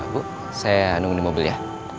bu saya nunggu di mobil ya